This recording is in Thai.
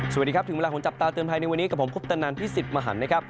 สวัสดีครับถึงเวลาของจับตาเตือนภัยในวันนี้กับผมคุปตนันพี่สิทธิ์มหันนะครับ